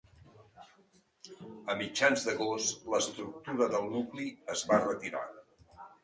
A mitjans d'agost, l'estructura del nucli es va retirar.